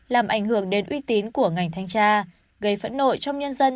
làm ảnh hưởng đến uy tín của ngành thanh tra gây phẫn nộ trong nhân dân